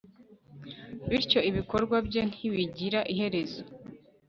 bityo ibikorwa bye ntibigira iherezo